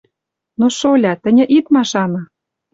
Но, шоля, тӹньӹ ит машаны: